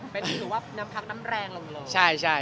เป็นอยู่ถึงว่าน้ำพักน้ำแรงลงเลยหรือเปล่า